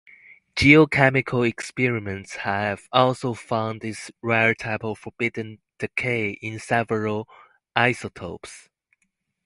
Geochemical experiments have also found this rare type of forbidden decay in several isotopes.